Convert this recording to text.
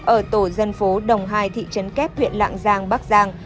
ở tổ dân phố đồng hai thị trấn kép huyện lạng giang bắc giang